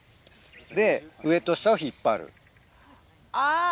で上と下を引っ張る。